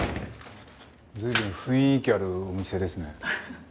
随分雰囲気あるお店ですね。